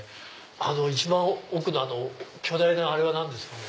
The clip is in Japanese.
あの一番奥の巨大なあれは何ですかね？